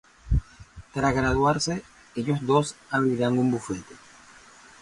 Tras graduarse, ellos dos abrirán un bufete.